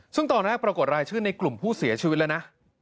ซึ่งตอนแรกปรากฏรายชื่อในกลุ่มผู้เสียชีวิตแล้วนะ